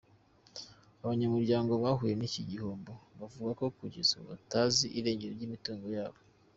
Abanyamuryango bahuye n’iki gihombo bavuga ko kugeza ubu batazi irengero ry’imitungo yabo.